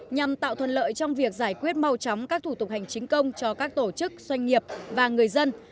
nhằm tạo thuận lợi trong việc giải quyết mau chóng các thủ tục hành chính công cho các tổ chức doanh nghiệp và người dân